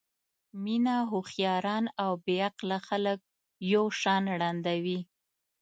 مینه هوښیاران او بې عقله خلک یو شان ړندوي.